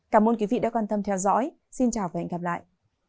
cảm ơn quý vị đã quan tâm theo dõi xin chào và hẹn gặp lại